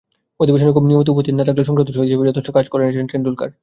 অধিবেশনে খুব নিয়মিত উপস্থিত না থাকলে সাংসদ হিসেবে যথেষ্ট কাজ করেছেন টেন্ডুলকার।